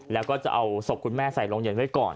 แล้วก็จะเอาศพคุณแม่ใส่โรงเย็นไว้ก่อน